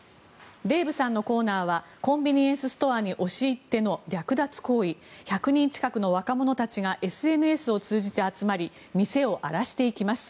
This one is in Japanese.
デーブさんのコーナーはコンビニエンスストアに押し入っての略奪行為１００人近くの若者たちがＳＮＳを通じて集まり店を荒らしていきます。